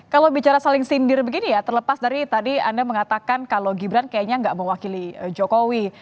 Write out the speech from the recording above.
kalau bicara saling sindir begini ya terlepas dari tadi anda mengatakan kalau gibran kayaknya nggak mewakili jokowi